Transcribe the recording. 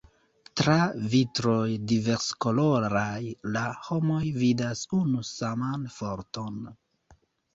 Tra vitroj diverskoloraj la homoj vidas unu saman Forton.